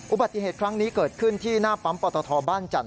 อุบัติเหตุครั้งนี้เกิดขึ้นที่หน้าปั๊มปตทบ้านจันท